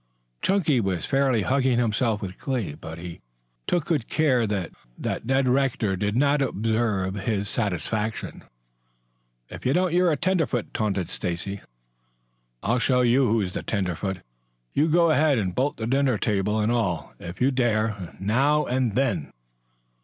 Chunky was fairly hugging himself with glee, but he took good care that Ned Rector did not observe his satisfaction. "If you don't you're a tenderfoot," taunted Stacy. "I'll show you who's the tenderfoot. You go ahead and bolt the dinner, table and all, if you dare. Now, then!"